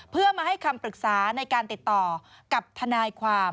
เพื่อมาให้คำปรึกษาในการติดต่อกับทนายความ